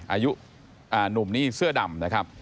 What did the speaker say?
อายุหนุ่มนี่เสื้อดำนะครับ